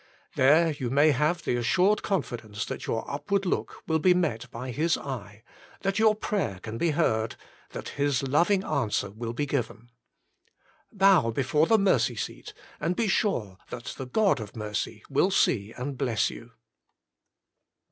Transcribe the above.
There you may have the assured confidence that your upward look will be met by His eye, that your prayer can be heard, that His loving answer will be given. Bow before the mercy seat, and be sure that the God of Mercy will see and bless you.